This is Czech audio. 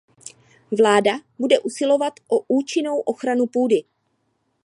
Vláda bude usilovat o účinnou ochranu půdy.